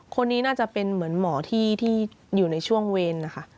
คนนี้น่าจะเป็นเหมือนหมอที่อยู่ในช่วงเวรนะคะ